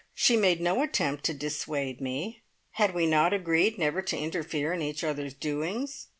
She made no attempt to dissuade me had we not agreed never to interfere in each other's doings?